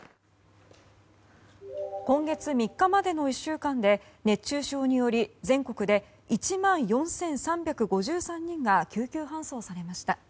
今月３日までの１週間で熱中症により全国で１万４３５３人が救急搬送されました。